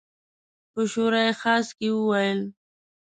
په شورای خاص کې وویل.